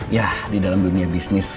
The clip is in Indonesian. ya di dalam dunia bisnis